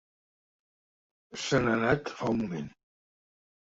Se n'ha anat fa un moment.